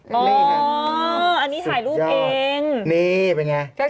นี่ค่ะตัวตรงนี้นี่เป็นยังไงอ๋ออันนี้ถ่ายรูปเอง